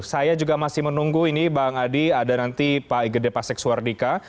saya juga masih menunggu ini bang adi ada nanti pak gede pasek suardika